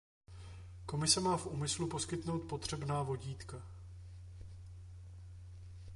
Komise má v úmyslu poskytnout potřebná vodítka.